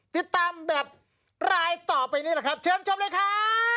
ติดตามแบบรายต่อไปนี่แหละครับเชิญชมเลยครับ